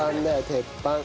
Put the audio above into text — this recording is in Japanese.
鉄板。